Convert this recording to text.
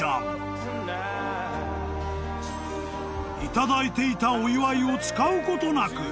［頂いていたお祝いを使うことなく］